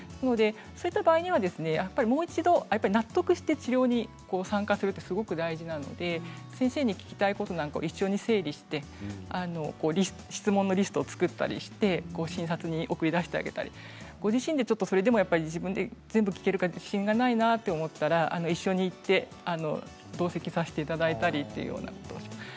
そういう場合は、もう一度納得して治療に参加するってすごく大事なので先生に聞きたいことを一緒に整理して質問のリストを作ったりして診察に送り出してあげたりご自身で、自分で全部聞けるか自信がないなと思ったら一緒に行って同席させていただいたりということもあります。